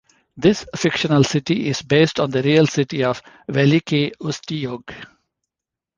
This fictional city is based on the real city of Veliky Ustyug.